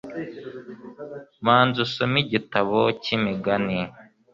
banza usome igitabo cyimigani